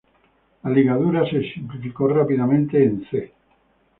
La ligadura se simplificó rápidamente en Ϛ.